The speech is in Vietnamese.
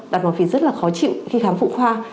đặt mỏ phịt rất là khó chịu khi khám phụ khoa